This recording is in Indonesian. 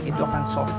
itu akan soft